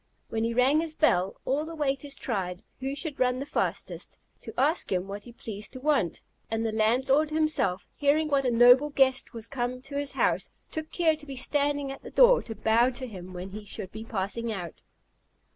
When he rang his bell, all the waiters tried who should run the fastest, to ask him what he pleased to want; and the landlord himself, hearing what a noble guest was come to his house, took care to be standing at the door to bow to him when he should be passing out.